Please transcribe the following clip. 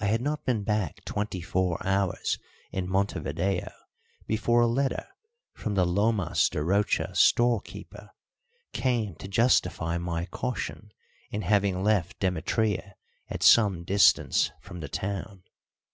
I had not been back twenty four hours in Montevideo before a letter from the Lomas de Rocha storekeeper came to justify my caution in having left Demetria at some distance from the town.